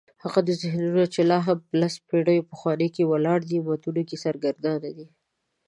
هغه ذهنونه چې لا هم په لس پېړۍ پخوانیو ولاړو متونو کې سرګردانه دي.